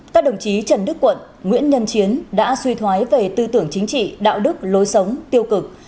các đồng chí trần đức quận nguyễn nhân chiến đã suy thoái về tư tưởng chính trị đạo đức lối sống tiêu cực